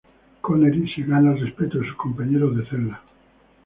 Connery se gana el respeto de sus compañeros de celda.